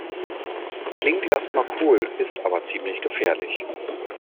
Klingt erst mal cool, ist aber ziemlich gefährlich.